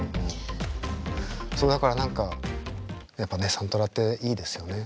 そうだから何かやっぱねサントラっていいですよね。